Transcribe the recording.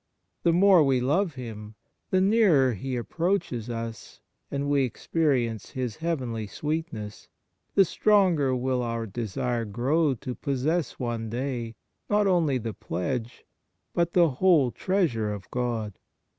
The more we love Him, the nearer He approaches us and we experience His heavenly sweetness, the stronger will our desire grow to possess one day, not only the pledge, but the whole treasure of God.